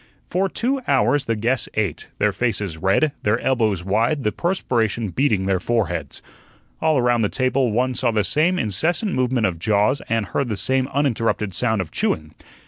For two hours the guests ate; their faces red, their elbows wide, the perspiration beading their foreheads. All around the table one saw the same incessant movement of jaws and heard the same uninterrupted sound of chewing.